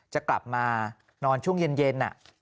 จะกลับมานอนช่วงเย็น